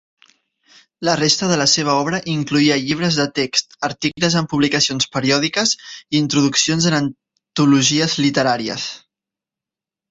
La resta de la seva obra incloïa llibres de text, articles en publicacions periòdiques i introduccions en antologies literàries.